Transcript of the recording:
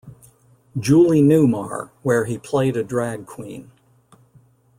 Julie Newmar where he played a drag queen.